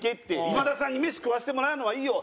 今田さんに飯食わせてもらうのはいいよ。